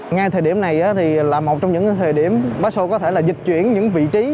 ngay thời điểm này thì là một trong những thời điểm ba sho có thể là dịch chuyển những vị trí